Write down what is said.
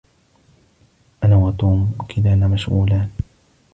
أنا وتوم كلانا مشغولان